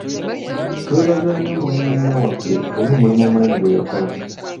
Twebaza nnyo omulungamya waffe olw'omulimu omunene gwe yakola.